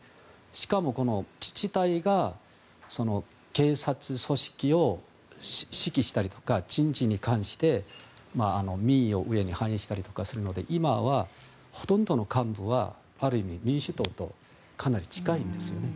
しかも自治体が警察組織を指揮したりとか、人事に関して民意を反映したりとかするので今はほとんどの幹部はある意味民主党とかなり近いんですね。